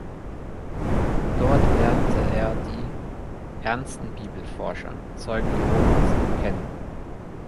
Dort lernte er die „Ernsten Bibelforscher“ (Zeugen Jehovas) kennen.